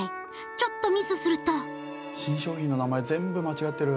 ちょっとミスすると新商品の名前全部間違ってる。